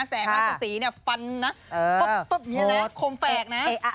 แสงว่าจะตีเนี่ยฟันนะปุ๊บอย่างนี้นะโคมแฟกนะ